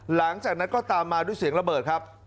หลังจากนั้นก็ตามมาด้วยเสียงระเบิดครับ